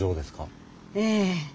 ええ。